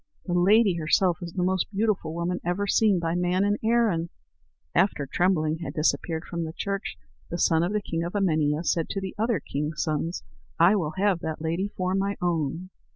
The lady herself is the most beautiful woman ever seen by man in Erin." After Trembling had disappeared from the church, the son of the king of Emania said to the other kings' sons: "I will have that lady for my own."